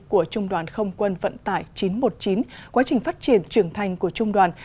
của trung đoàn không quân vận tải chín trăm một mươi chín quá trình phát triển trưởng thành của trung đoàn